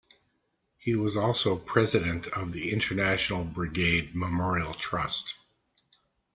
He was also President of the International Brigade Memorial Trust.